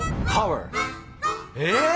えっ？